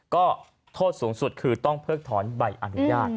ก็โทษสูงสุดคือต้องเพิกถอนใบอนุญาต